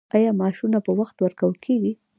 آیا معاشونه په وخت ورکول کیږي؟